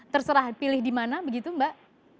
terserah pilih dimana begitu mbak